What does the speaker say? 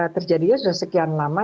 terjadinya sudah sekian lama